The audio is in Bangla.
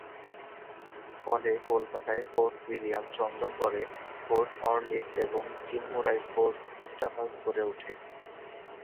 ফলে কলকাতায় ফোর্ট উইলিয়ম, চন্দননগরে ফোর্ট অর্লিন্স এবং চিনমুরায় ফোর্ট গুস্টাভাস গড়ে উঠে।